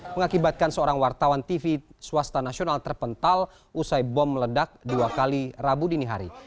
mengakibatkan seorang wartawan tv swasta nasional terpental usai bom meledak dua kali rabu dini hari